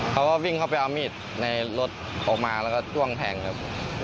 เขาก็วิ่งเข้าไปเอามีดในรถออกมาแล้วก็จ้วงแทงครับ